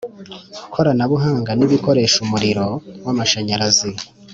Koranabuhanga n ibikoresha umuriro w amashanyarazi